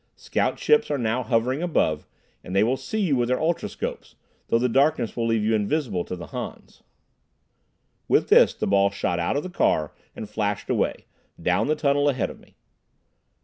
Scout ships are now hovering above, and they will see you with their ultroscopes, though the darkness will leave you invisible to the Hans." With this the ball shot out of the car and flashed away, down the tunnel ahead of me.